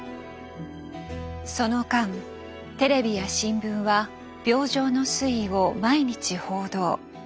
その間テレビや新聞は病状の推移を毎日報道。